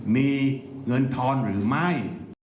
มีเงินทอนหรือไม่